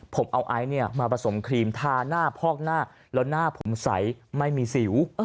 ผมเอาไอซ์มาผสมครีมทาหน้าพอกหน้าแล้วหน้าผมใสไม่มีสิว